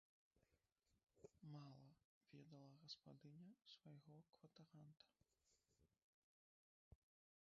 Мала ведала гаспадыня свайго кватаранта.